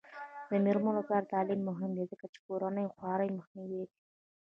د میرمنو کار او تعلیم مهم دی ځکه چې کورنۍ خوارۍ مخنیوی دی.